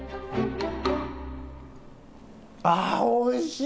あっおいしい！